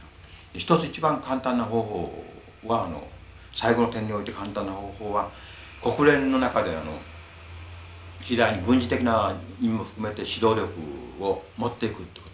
一つ一番簡単な方法は最後の点において簡単な方法は国連の中で次第に軍事的な意味も含めて指導力を持ってくってことですね。